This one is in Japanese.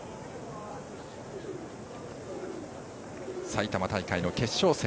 埼玉大会の決勝戦